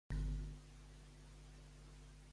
Qui fou Conó de Samos?